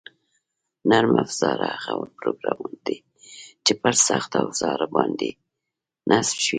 نرم اوزار هغه پروګرامونه دي چې پر سخت اوزار باندې نصب شوي